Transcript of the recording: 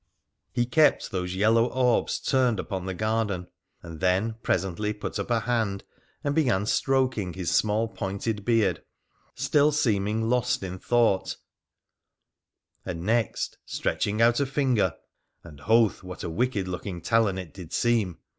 He kept those yellow orbs turned upon the garden, and then presently put up a hand and began stroking his small pointed beard, still seeming lost in thought, and next, stretching out a finger — and, Hoth! what a wicked looking talon it did seem!